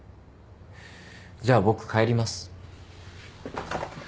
じゃあ僕帰ります。